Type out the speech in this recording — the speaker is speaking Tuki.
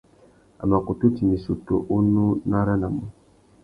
A mà kutu timba issutu unú nù aranamú.